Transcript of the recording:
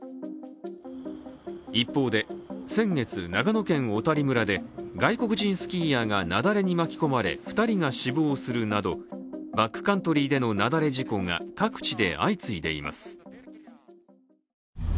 一方で、先月、長野県小谷村で外国人スキーヤーが雪崩に巻き込まれ２人が死亡するなどバックカントリーでの雪崩事故が各地で相次いでいます。